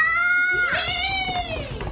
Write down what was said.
イエイ！